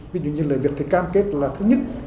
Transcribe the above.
ví dụ như lờ việt thì cam kết là thứ nhất